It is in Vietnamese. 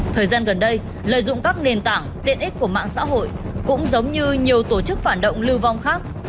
thời gian gần đây lợi dụng các nền tảng tiện ích của mạng xã hội cũng giống như nhiều tổ chức phản động lưu vong khác